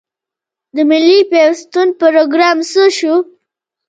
د ملي پیوستون پروګرام څه شو؟